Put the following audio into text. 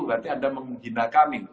berarti anda menghina kami